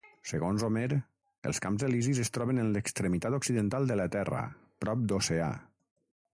Segons Homer, els camps Elisis es troben en l'extremitat occidental de la Terra, prop d'Oceà.